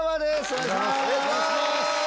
お願いします！